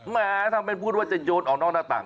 แหมทำเป็นพูดว่าจะโยนออกนอกหน้าต่าง